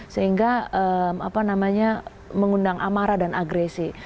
sehingga apa namanya mengundang amarah dan agresi